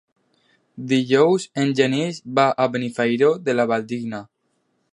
Dijous en Genís va a Benifairó de la Valldigna.